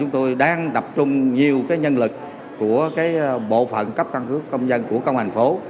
chúng tôi đang đập trung nhiều cái nhân lực của cái bộ phận cấp căn cước công dân của công hành phố